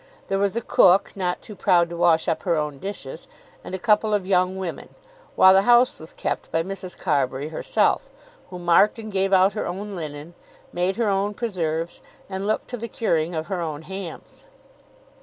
There was a cook, not too proud to wash up her own dishes, and a couple of young women; while the house was kept by Mrs. Carbury herself, who marked and gave out her own linen, made her own preserves, and looked to the curing of her own hams.